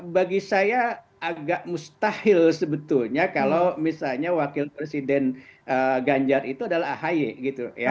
bagi saya agak mustahil sebetulnya kalau misalnya wakil presiden ganjar itu adalah ahy gitu ya